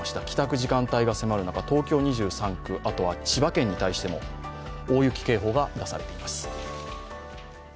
帰宅時間帯が迫る中、東京２３区、千葉県に対しても大雪警報が出されています。